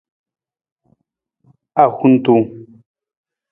Ahuntung.